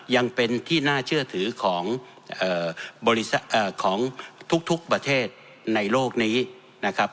ยังเป็นที่น่าเชื่อถือของทุกประเทศในโลกนี้นะครับ